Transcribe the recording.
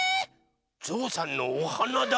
ぞうさんのおはなだ！